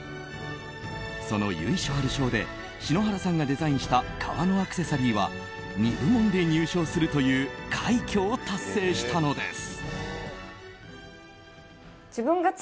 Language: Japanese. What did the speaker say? その由緒ある賞で篠原さんがデザインした革のアクセサリーは２部門で入賞するという快挙を達成したのです。